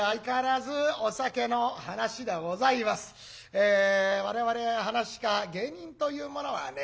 え我々噺家芸人というものはね